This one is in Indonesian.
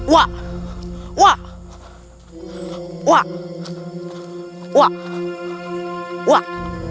wak wak wak wak wak